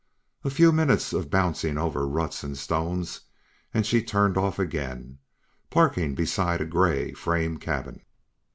A few minutes of bouncing over ruts and stones, and she turned off again, parking beside a grey, frame cabin.